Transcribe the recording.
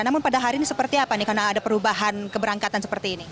namun pada hari ini seperti apa nih karena ada perubahan keberangkatan seperti ini